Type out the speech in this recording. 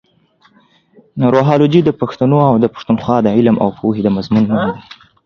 روهالوجي د پښتنو اٶ د پښتونخوا د علم اٶ پوهې د مضمون نوم دې.